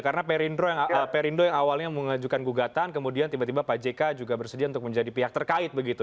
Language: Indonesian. karena perindo yang awalnya mengajukan gugatan kemudian tiba tiba pak jk juga bersedia untuk menjadi pihak terkait begitu